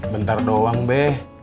bentar doang be